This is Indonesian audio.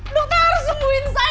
dokter harus sembuhin saya